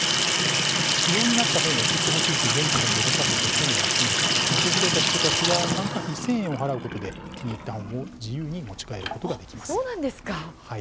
不要になった本を送ってほしいと全国に呼びかけて本を集め訪れた人たちは参加費１０００円を払うことで気に入った本を自由に持ち帰ることができます。